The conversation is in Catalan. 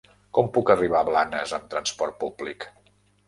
Com puc arribar a Blanes amb trasport públic?